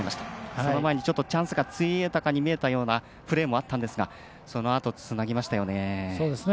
その前にチャンスが潰えたかに見えたプレーもあったんですがそのあと、つなぎましたよね。